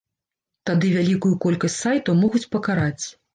Тады вялікую колькасць сайтаў могуць пакараць.